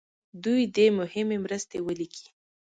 دوی دې مهمې مرستې ولیکي.